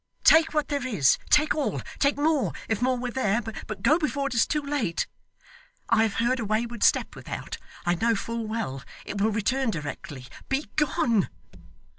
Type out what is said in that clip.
'Take what there is, take all, take more if more were there, but go before it is too late. I have heard a wayward step without, I know full well. It will return directly. Begone.